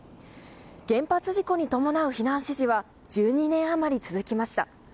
原発事故に伴う避難指示は１２年余り続きました。